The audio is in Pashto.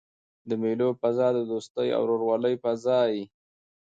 د مېلو فضا د دوستۍ او ورورولۍ فضا يي.